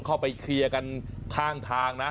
เข้าไปเคลียร์กันข้างทางนะ